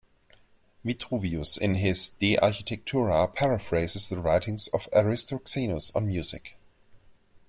Vitruvius in his "De architectura" paraphrases the writings of Aristoxenus on music.